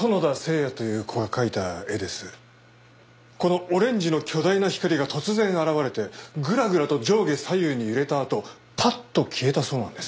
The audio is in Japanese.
このオレンジの巨大な光が突然現れてグラグラと上下左右に揺れたあとパッと消えたそうなんです。